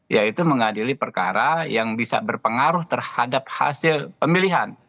yaitu mengadili perkara yang bisa berpengaruh terhadap hasil pemilihan